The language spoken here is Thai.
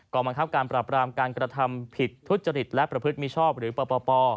บังคับการปราบรามการกระทำผิดทุจริตและประพฤติมิชอบหรือปป